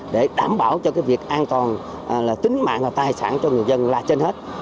để đảm bảo cho cái việc an toàn là tính mạng và tài sản cho người dân là trên hết